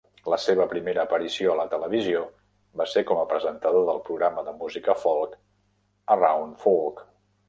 La seva primera aparició a la televisió va ser com a presentador del programa de música folk "Around Folk".